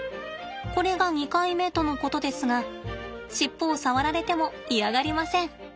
これが２回目とのことですが尻尾を触られても嫌がりません。